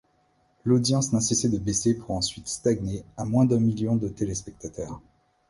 L'audience n'a cessé de baisser pour ensuite stagner à moins d'un million de téléspectateurs.